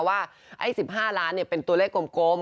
ว่าไอ้๑๕ล้านเป็นตัวเลขกลม